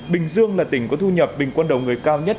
bình dương là tỉnh có thu nhập bình quân đầu người cao nhất